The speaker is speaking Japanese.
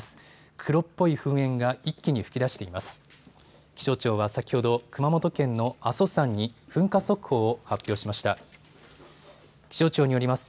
黒っぽい噴煙が一気に噴き出しています。